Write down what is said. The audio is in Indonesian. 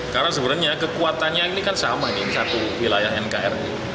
karena sebenarnya kekuatannya ini kan sama ini satu wilayah nkri